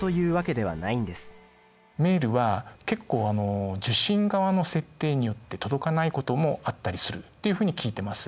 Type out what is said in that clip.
メールは結構受信側の設定によって届かないこともあったりするというふうに聞いてます。